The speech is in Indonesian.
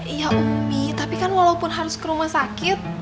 iya umi tapi kan walaupun harus ke rumah sakit